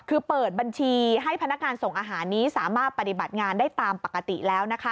คือเปิดบัญชีให้พนักงานส่งอาหารนี้สามารถปฏิบัติงานได้ตามปกติแล้วนะคะ